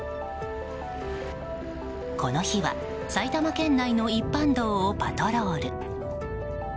この日は、埼玉県内の一般道をパトロール。